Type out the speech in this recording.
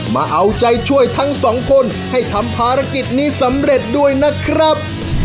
มาเอาใจช่วยทั้งสองคนให้ทำภารกิจนี้สำเร็จด้วยนะครับ